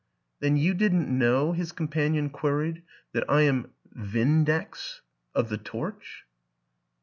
" Then you didn't know," his companion queried, "that I am ' Vindex ' of The Torch?"